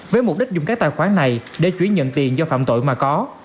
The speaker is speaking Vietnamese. với mục đích dùng các tài khoản này để chuyển nhận tiền do phạm tội mà có